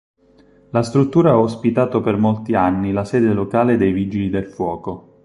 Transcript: La struttura ha ospitato per molti anni la sede locale dei vigili del fuoco.